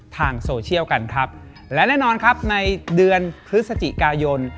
ทางโซเชียลกันครับและแน่นอนครับในเดือนพฤศจิกายน